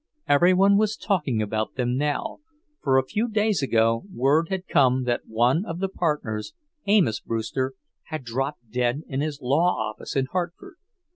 Every one was talking about them now, for a few days ago word had come that one of the partners, Amos Brewster, had dropped dead in his law office in Hartford.